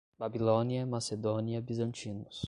Babilônia, Macedônia, bizantinos